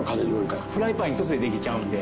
フライパン一つでできちゃうので。